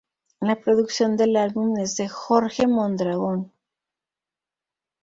La producción del álbum es de Jorge Mondragón.